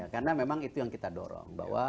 karena memang itu yang kita dorong